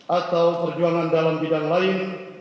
atau perjuangan dalam bidang lain